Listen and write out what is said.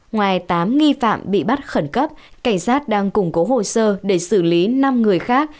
ngoài tám nghi phạm bị bắt khẩn cấp cảnh sát đang củng cố hồ sơ để xử lý năm người khác